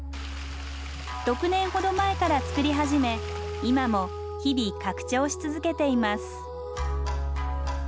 ６年ほど前から作り始め今も日々拡張し続けています。